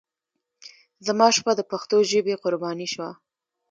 زما شپه د پښتو ژبې قرباني شوه.